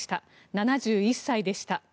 ７１歳でした。